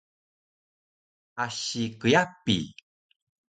asi kyapi!